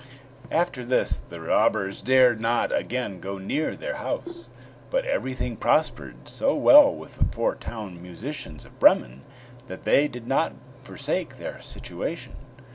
After this the robbers dared not again go near their house; but everything prospered so well with the four town musicians of Bremen, that they did not forsake their situation!